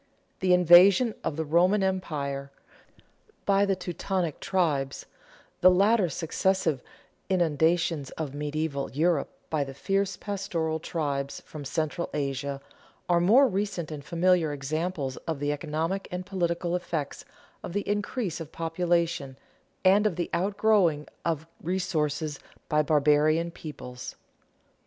The invasion of the Roman Empire by the Teutonic tribes, the later successive inundations of medieval Europe by the fierce pastoral tribes from central Asia, are more recent and familiar examples of the economic and political effects of the increase of population and of the outgrowing of resources by barbarian peoples.